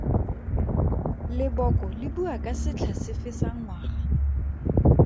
Leboko le bua ka setlha sefe sa ngwaga?